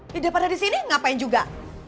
ya daripada disini ngapain juga